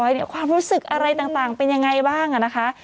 ไปเรียบร้อยความรู้สึกอะไรต่างเป็นยังไงบ้างอ่ะนะคะ